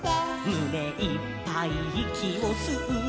「むねいっぱいいきをすうのさ」